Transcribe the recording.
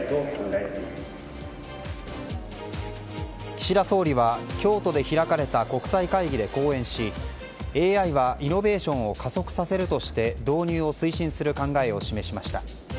岸田総理は京都で開かれた国際会議で講演しＡＩはイノベーションを加速させるとして導入を推進する考えを示しました。